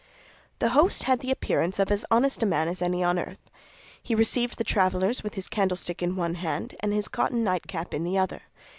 The host had the appearance of as honest a man as any on earth. He received the travelers with his candlestick in one hand and his cotton nightcap in the other.